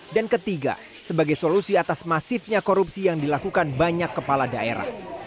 dan ketiga sebagai solusi atas masifnya korupsi yang dilakukan banyak kepala daerah